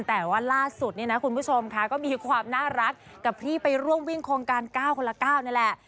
แต่ว่าล่าสุดคุณผู้ชมก็มีความน่ารักกับที่ไปร่วมวิ่งโครงการก้าวคนละก้าวนั่นแหละ